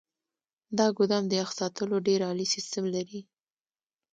دا ګودام د يخ ساتلو ډیر عالي سیستم لري.